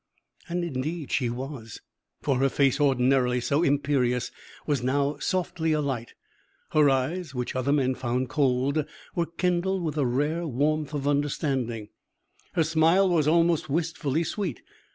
And indeed she was; for her face, ordinarily so imperious, was now softly alight; her eyes, which other men found cold, were kindled with a rare warmth of understanding; her smile was almost wistfully sweet.